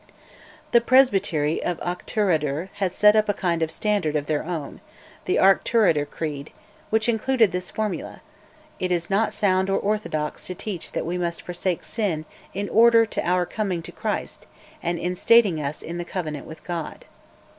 The Presbytery of Auchterarder had set up a kind of "standard" of their own "The Auchterarder Creed" which included this formula: "It is not sound or orthodox to teach that we must forsake sin in order to our coming to Christ, and instating us in Covenant with God."